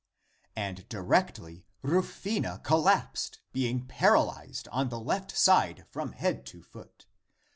And directly Rufina collapsed, being paralyzed on the left side from head to foot.